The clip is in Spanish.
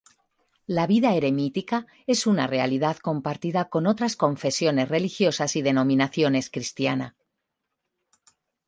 La vida eremítica es una realidad compartida con otras confesiones religiosas y denominaciones cristiana.